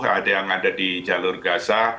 ada yang ada di jalur gaza